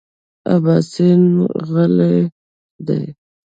اباسین غلی دی .